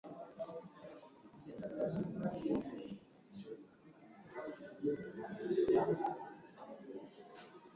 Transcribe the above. siku ya Jumatano alielezea wasiwasi wake kuhusu kuteswa kwa wafungwa nchini Uganda na ukiukwaji mwingine wa haki